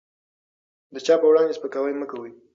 د چا په وړاندې سپکاوی مه کوئ.